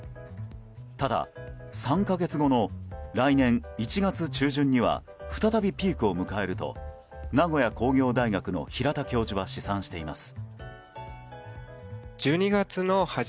ただ、３か月後の来年１月中旬には再びピークを迎えると名古屋工業大学の平田教授は試算しています。